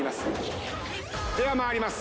では参ります。